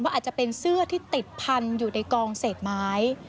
อาจจะเป็นเสื้อที่ติดพันอยู่ในกองเศษไม้